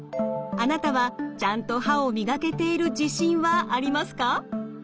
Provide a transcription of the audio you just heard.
あなたはちゃんと歯を磨けている自信はありますか？